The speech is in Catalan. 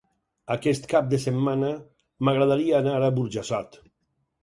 Aquest cap de setmana m'agradaria anar a Burjassot.